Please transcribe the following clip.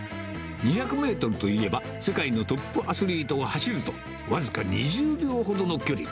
２００メートルといえば、世界のトップアスリートが走ると、僅か２０秒ほどの距離。